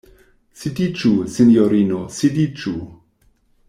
Sidiĝu, sinjorino, sidiĝu!